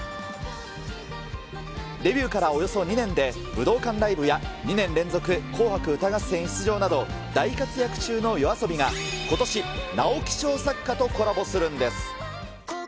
デビューからおよそ２年で、武道館ライブや、２年連続紅白歌合戦出場など、大活躍中のＹＯＡＳＯＢＩが、ことし、直木賞作家とコラボするんです。